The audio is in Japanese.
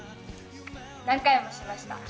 何回もしました。